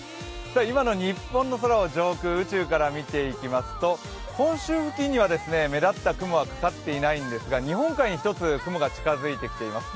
今、日本の上空から見てみますと本州付近には目立った雲はかかっていないんですが日本海に１つ雲が近づいてきています。